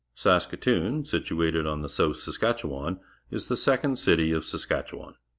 Saska toon, situated on the South Saskatch ewan, is the second city of Saskatchewan.